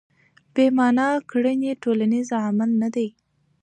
بې مانا کړنې ټولنیز عمل نه دی.